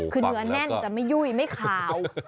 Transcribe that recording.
คือเนื้อแน่นจะไม่ยุ่ยไม่ขาว